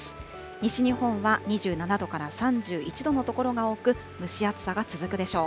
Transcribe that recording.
西日本は２７度から３１度の所が多く、蒸し暑さが続くでしょう。